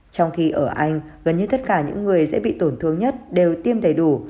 trong khi ở anh gần như tất cả những người sẽ bị tổn thương nhất đều tiêm đầy đủ